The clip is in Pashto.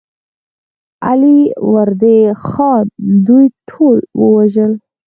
علي وردي خان دوی ټول ووژل.